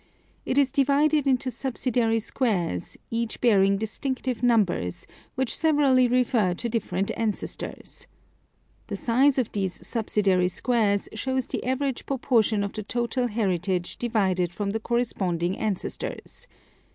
It is divided into subsidiary squares, each bearing distinctive numbers, which severally refer to dif ferent ancestors. The size of these subsidiary squares shows the average proportion of the total heritage derived from the corresponding ancestors.